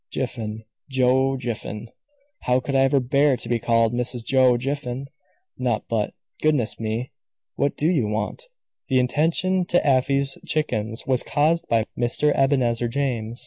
Jiffin, Joe Jiffin. How could I ever bear to be called Mrs. Joe Jiffin! Not but Goodness me! what do you want?" The interruption to Afy's chickens was caused by Mr. Ebenezer James.